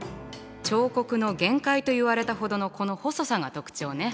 彫刻の限界といわれたほどのこの細さが特徴ね。